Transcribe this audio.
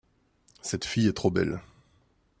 cette fille est trop belle.